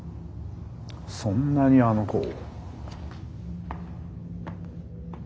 そんなにあの子を。